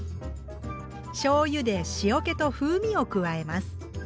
しょうゆで塩気と風味を加えます。